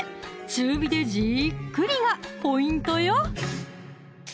中火でじっくりがポイントよ！